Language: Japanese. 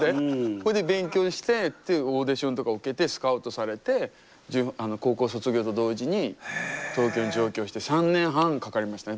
ほいで勉強してオーディションとか受けてスカウトされて高校卒業と同時に東京に上京して３年半かかりましたね